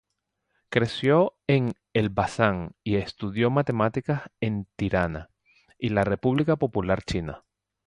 Creció en Elbasan y estudió matemáticas en Tirana y la República Popular China.